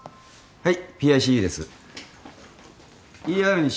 はい。